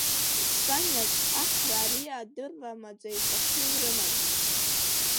Испаниатә аҳра ари адырра маӡа иҵәахны ирыман.